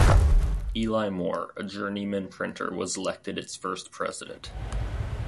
Ely Moore, a journeyman printer, was elected its first president.